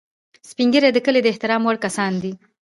سپین ږیری د کلي د احترام وړ کسان دي